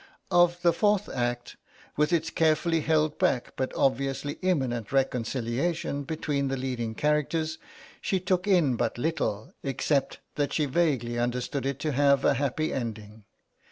Of the fourth act, with its carefully held back but obviously imminent reconciliation between the leading characters, she took in but little, except that she vaguely understood it to have a happy ending.